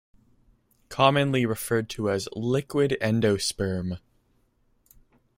Commonly referred to as liquid endosperm.